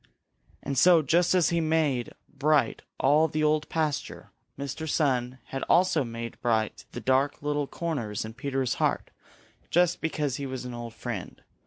And so, just as he made bright all the Old Pasture, Mr. Sun also made bright the dark little corners in Peter's heart just because he was an old friend.